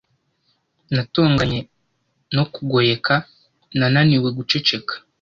natonganye no kugoyeka nananiwe guceceka